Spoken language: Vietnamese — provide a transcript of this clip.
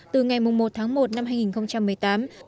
từ ngày một tháng một năm hai nghìn một mươi tám